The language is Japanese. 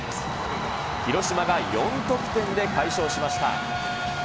広島が４得点で快勝しました。